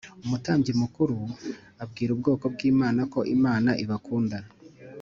Umutambyi mukuru avbwira ubwoko bw’imana ko imana ibakunda